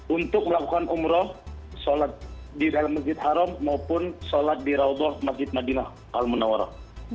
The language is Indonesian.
untuk melakukan umroh sholat di dalam masjid haram maupun sholat di raudoh masjid madinah al munawarah